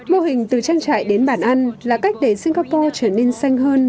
mô hình từ trang trại đến bàn ăn là cách để singapore trở nên xanh hơn